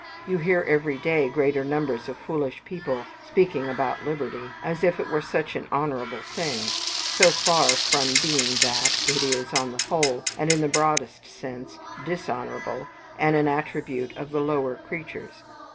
You hear every day greater numbers of foolish people speaking about liberty, as if it were such an honourable thing: so far from being that, it is, on the whole, and in the broadest sense, dishonourable, and an attribute of the lower creatures.